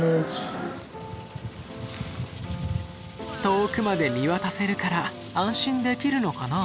遠くまで見渡せるから安心できるのかな？